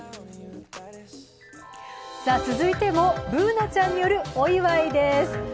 続いてもＢｏｏｎａちゃんによるお祝いです。